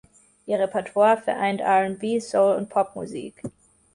Ihr Repertoire vereint R&B-, Soul- und Popmusik.